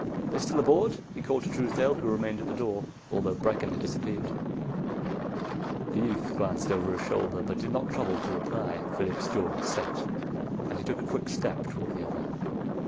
"They still aboard?" he called to Truesdale, who remained at the door although Brecken had disappeared. The youth glanced over his shoulder but did not trouble to reply. Phillips' jaw set, and he took a quick step toward the other.